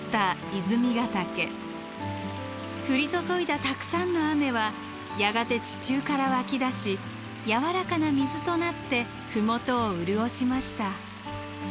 降り注いだたくさんの雨はやがて地中から湧き出し柔らかな水となって麓を潤しました。